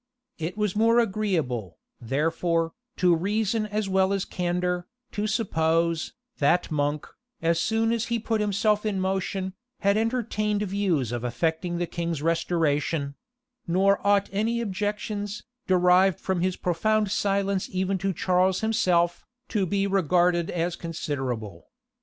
It is more agreeable, therefore, to reason as well as candor, to suppose, that Monk, as soon as he put himself in motion, had entertained views of effecting the king's restoration; nor ought any objections, derived from his profound silence even to Charles himself, to be regarded as considerable.